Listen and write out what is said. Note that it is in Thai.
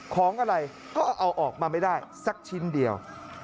ของอะไรก็เอาออกมาไม่ได้สักชิ้นเดียว